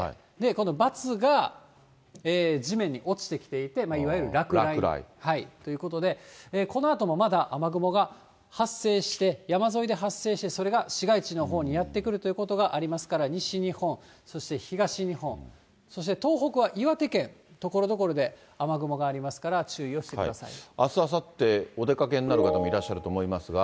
このバツが、地面に落ちてきていて、いわゆる落雷ということで、このあともまだ雨雲が発生して、山沿いで発生してそれが市街地のほうにやって来るということがありますから、西日本、そして東日本、そして東北は岩手県、ところどころで雨雲がありますから注意をしあす、あさって、お出かけになる方もいらっしゃいますが。